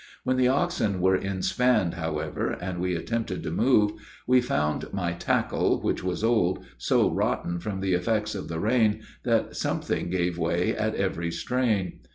When the oxen were inspanned, however, and we attempted to move, we found my tackle, which was old, so rotten from the effects of the rain, that something gave way at every strain.